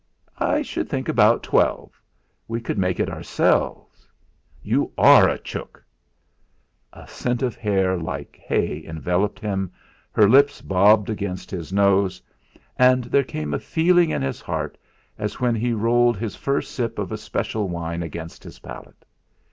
"I should think about twelve. We could make it ourselves. You are a chook!" A scent of hair, like hay, enveloped him, her lips bobbed against his nose, and there came a feeling in his heart as when he rolled the first sip of a special wine against his palate.